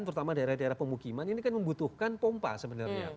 terutama daerah daerah pemukiman ini kan membutuhkan pompa sebenarnya